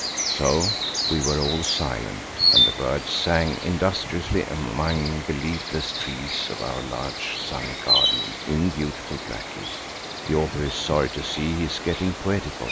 So we were all silent, and the birds sang industriously among the leafless trees of our large sunny garden in beautiful Blackheath. (The author is sorry to see he is getting poetical.